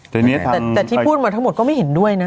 แต่ที่พูดมาทั้งหมดก็ไม่เห็นด้วยนะ